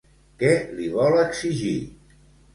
Què li vol exigir?